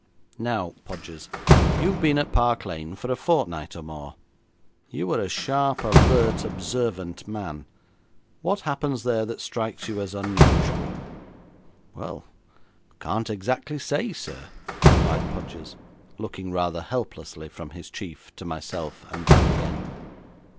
'Now, Podgers, you've been at Park Lane for a fortnight or more. You are a sharp, alert, observant man. What happens there that strikes you as unusual?' 'Well, I can't exactly say, sir,' replied Podgers, looking rather helplessly from his chief to myself, and back again.